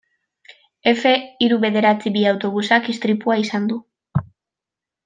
Efe hiru bederatzi bi autobusak istripua izan du.